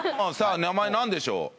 さあ名前なんでしょう？